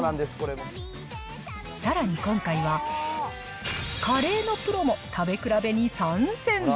さらに今回は、カレーのプロも食べ比べに参戦。